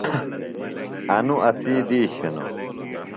انُوۡ اسی دِیش ہِنوۡ۔